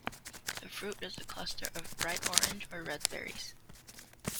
The fruit is a cluster of bright orange or red berries.